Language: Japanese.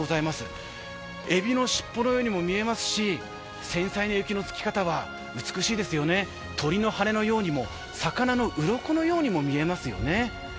えびのしっぽのようにも見えますし、繊細な雪のつき方は美しいですよね、鳥の羽根のようにも魚のうろこのようにも見えますよね。